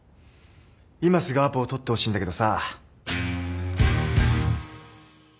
今すぐアポを取ってほしいんだけどさ。